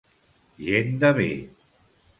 Gent de bé.